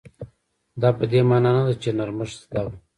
دا په دې مانا نه ده چې نرمښت زده و.